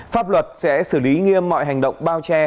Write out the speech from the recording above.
pháp luật sẽ xử lý nghiêm mọi hành động bao che